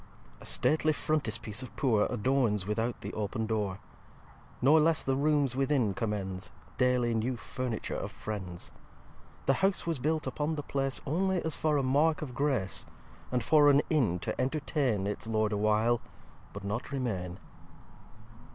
ix A Stately Frontispice Of Poor Adorns without the open Door: Nor less the Rooms within commends Daily new Furniture Of Friends. The House was built upon the Place Only as for a Mark Of Grace; And for an Inn to entertain Its Lord a while, but not remain.